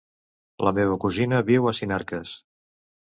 La meva cosina viu a Sinarques.